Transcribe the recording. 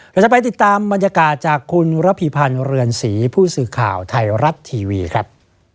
เราจะไปติดตามบรรยากาศจากคุณระพีพันธ์เรือนศรีผู้สื่อข่าวไทยรัฐทีวีครับ